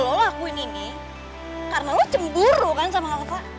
lo lakuin ini karena lo cemburu kan sama halva